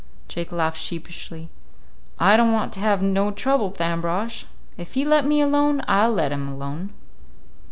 Jake laughed sheepishly. "I don't want to have no trouble with Ambrosch. If he'll let me alone, I'll let him alone."